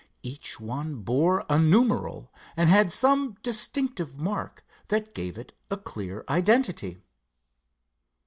Each one bore a numeral, and had some distinctive mark that gave it a clear identity.